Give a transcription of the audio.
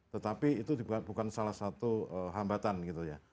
tetapi itu bukan salah satu hambatan gitu ya